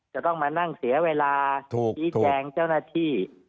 จะต้องมานั่งเสียเวลาชี้แจงเจ้าหน้าที่